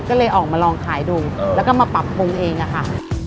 ก็เลยออกมาลองขายดูแล้วก็มาปรับปรุงเองอะค่ะ